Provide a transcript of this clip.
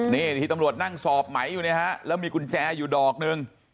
นี่ที่ตำรวจนั่งสอบไหมอยู่เนี่ยฮะแล้วมีกุญแจอยู่ดอกหนึ่ง